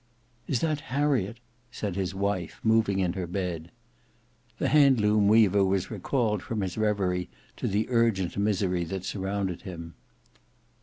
"Is that Harriet?" said his wife moving in her bed. The Hand Loom weaver was recalled from his reverie to the urgent misery that surrounded him.